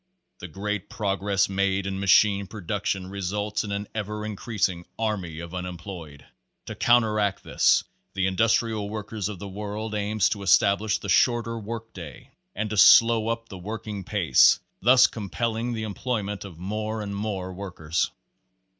The great progress made in machine production re sults in an ever increasing army of unemployed. To counteract this the Industrial Workers of the World aims to establish the shorter work day, and to slow up the working pace, thus compelling the employment of more and more workers.